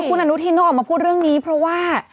คุณอนุทินต้องออกมาพูดเรื่องนี้เพราะว่า